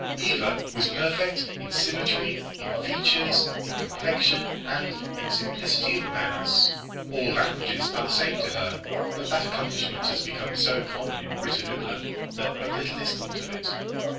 Eva was perfect in symmetry, in features, in complexion, and in simplicity of manners. All languages are the same to her; but that accomplishment has become so common in Britannula that but little is thought of it.